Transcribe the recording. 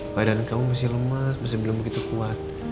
badan kamu mesti lemas mesti belum begitu kuat